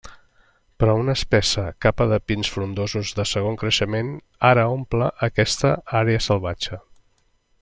Però una espessa capa de pins frondosos de segon creixement ara omple aquesta àrea salvatge.